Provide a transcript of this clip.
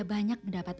tuhan yang menjaga kita